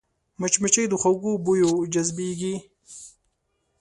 مچمچۍ د خوږو بویو جذبېږي